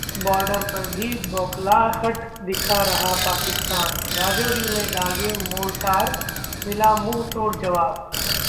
border पर भी बौखलाहट दिखा रहा पाकिस्तान, राजौरी में दागे मोर्टार, मिला मुंहतोड़ जवाब